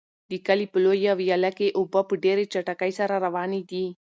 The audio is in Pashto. د کلي په لویه ویاله کې اوبه په ډېرې چټکۍ سره روانې دي.